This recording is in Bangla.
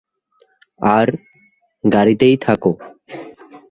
আর, গাড়িতেই থাকো।